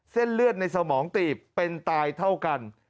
เส้นเลือดในสมองตีบเป็นตายเท่ากัน